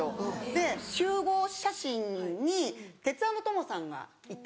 で集合写真にテツａｎｄトモさんがいて。